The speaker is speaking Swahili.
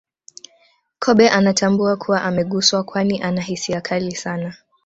Kobe anatambua kuwa ameguswa kwani ana hisia kali sana